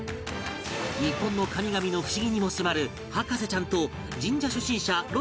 日本の神々の不思議にも迫る博士ちゃんと神社初心者ロッチ中岡